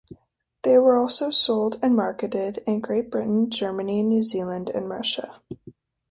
They were also sold and marketed in Great Britain, Germany, New Zealand and Russia.